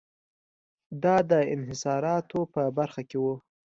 دا د انحصاراتو په برخه کې و.